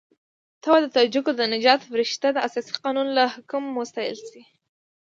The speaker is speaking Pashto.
ته وا د تاجکو د نجات فرښته د اساسي قانون له حکم وستایل شي.